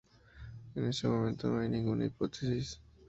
En este momento no hay ninguna hipótesis.